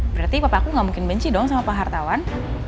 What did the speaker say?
berarti bapak aku gak mungkin benci dong sama pak hartawan